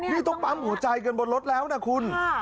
นี่ต้องปั๊มหัวใจกันบนรถแล้วนะคุณ